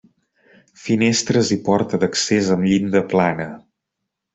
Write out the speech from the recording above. Finestres i porta d'accés amb llinda plana.